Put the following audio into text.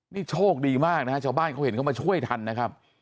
นี่โชคดีมากนะฮะชาวบ้านเขาเห็นเขามาช่วยทันนะครับ